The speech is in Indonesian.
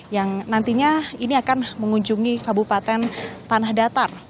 yang nantinya ini akan mengunjungi kabupaten tanah datar